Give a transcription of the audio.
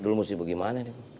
lu mesti bagaimana nih